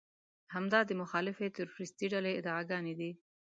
همدا د مخالفې تروريستي ډلې ادعاګانې دي.